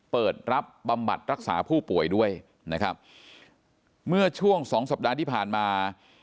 เปิดรับบำบัดรักษาผู้ป่วยด้วยนะครับเมื่อช่วงสองสัปดาห์ที่ผ่านมา